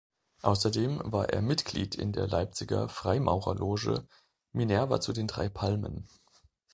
Außerdem war er Mitglied in der Leipziger Freimaurerloge "Minerva zu den drei Palmen".